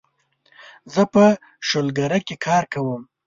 زه په شولګره کې کار کوم